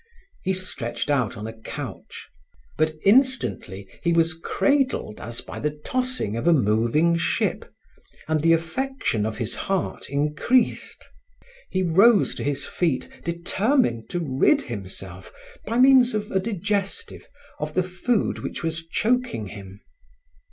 He stretched out on a couch, but instantly he was cradled as by the tossing of a moving ship, and the affection of his heart increased. He rose to his feet, determined to rid himself, by means of a digestive, of the food which was choking him.